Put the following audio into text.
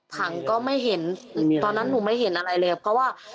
ถังก็ไม่เห็นตอนนั้นหนูไม่เห็นอะไรเลยเพราะว่า